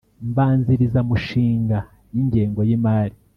mbanzirizamushinga y ingengo y imari